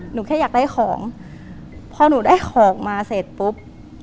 หนูแค่อยากได้ของพอหนูได้ของมาเสร็จปุ๊บ